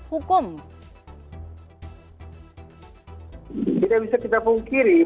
padahal kan kita tahu kepolisian anggota kepolisian merupakan penegak aparat polisi